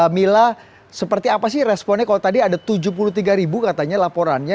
mila seperti apa sih responnya kalau tadi ada tujuh puluh tiga ribu katanya laporannya